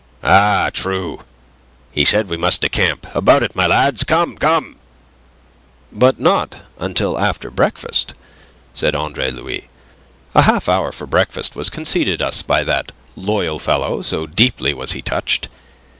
"Ah, true! He said we must decamp. About it, my lads! Come, come..." "But not until after breakfast," said Andre Louis. "A half hour for breakfast was conceded us by that loyal fellow, so deeply was he touched.